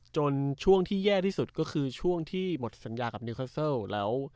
จนช่วงที่แย่ที่สุดก็คือช่วงที่หมดสัญญากับนิวคัสเซิลแล้ว